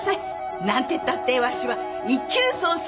何てったってわしは一級葬祭。